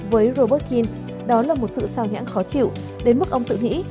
với robert kn đó là một sự sao nhãn khó chịu đến mức ông tự nghĩ